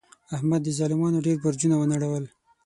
احمد د ظالمانو ډېر برجونه و نړول.